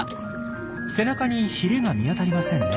背中にヒレが見当たりませんね。